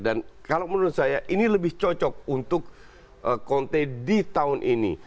dan kalau menurut saya ini lebih cocok untuk konte di tahun ini